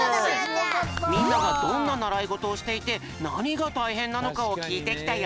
みんながどんなならいごとをしていてなにがたいへんなのかをきいてきたよ。